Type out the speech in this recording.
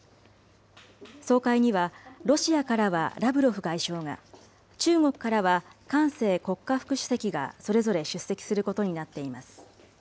総会にはロシアからはラブロフ外相が、中国からは韓正国家副主席がそれぞれ出席することになっています。